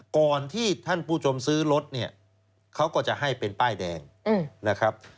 ก่อนที่ท่านผู้ชมซื้อรถเนี่ยเขาก็จะให้เป็นป้ายแดงนะครับ